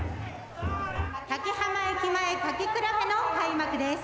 「多喜浜駅前かきくらべの開幕です」。